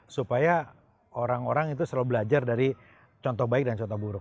supaya orang orang itu selalu belajar dari contoh baik dan contoh buruk